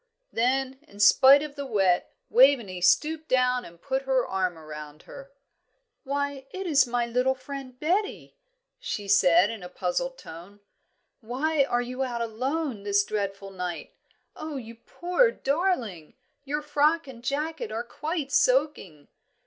Then, in spite of the wet, Waveney stooped down and put her arm round her. "Why, it is my little friend, Betty," she said, in a puzzled tone. "Why are you out alone this dreadful night? Oh, you poor darling, your frock and jacket are quite soaking.